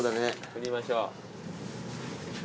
振りましょう。